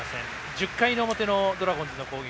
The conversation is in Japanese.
１０回の表のドラゴンズの攻撃。